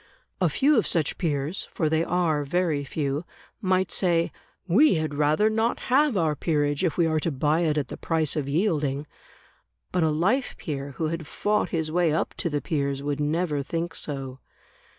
A few of such peers (for they are very few) might say, "We had rather not have our peerage if we are to buy it at the price of yielding". But a life peer who had fought his way up to the peers, would never think so.